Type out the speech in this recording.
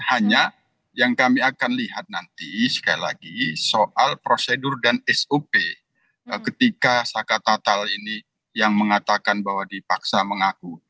hanya yang kami akan lihat nanti sekali lagi soal prosedur dan sop ketika saka natal ini yang mengatakan bahwa dipaksa mengaku